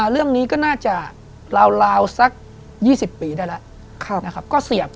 เรื่องนี้ก็น่าจะราวสัก๒๐ปีได้แล้วนะครับ